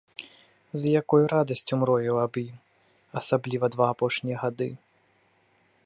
З якою радасцю мроіў аб ім, асабліва два апошнія гады.